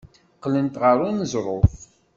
Qqlent ɣer uneẓruf.